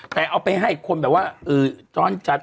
แต่เอาไปให้คนแบบว่าจรจัด